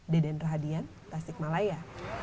deden rahadian tasik malaya